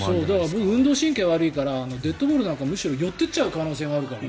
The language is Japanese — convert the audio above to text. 僕、運動神経悪いからデッドボールなんてむしろ寄っていっちゃう可能性があるからね。